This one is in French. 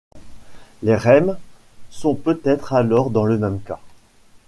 Les Rèmes sont peut-être alors dans le même cas.